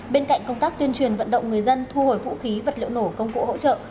bên cạnh công tác tuyên truyền vận động người dân thu hồi vũ khí vật liệu nổ công cụ hỗ trợ